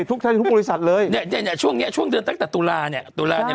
ทุกท่านทุกบริษัทเลยเนี้ยเนี้ยช่วงเนี้ยช่วงเดือนตั้งแต่ตุลาเนี้ย